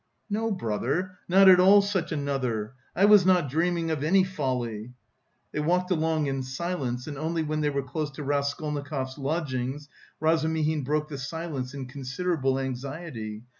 "No, brother, not at all such another. I am not dreaming of any folly." They walked along in silence and only when they were close to Raskolnikov's lodgings, Razumihin broke the silence in considerable anxiety.